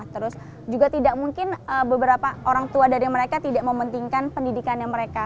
terus juga tidak mungkin beberapa orang tua dari mereka tidak mementingkan pendidikannya mereka